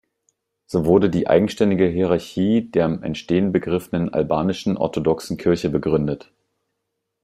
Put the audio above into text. So wurde die eigenständige Hierarchie der im Entstehen begriffenen albanischen orthodoxen Kirche begründet.